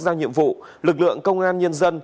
giao nhiệm vụ lực lượng công an nhân dân